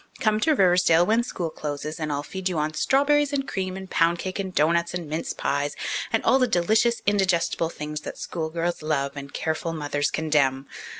Come to Riversdale when school closes, and I'll feed you on strawberries and cream and pound cake and doughnuts and mince pies, and all the delicious, indigestible things that school girls love and careful mothers condemn.